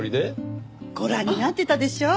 ご覧になってたでしょう？